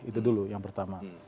itu dulu yang pertama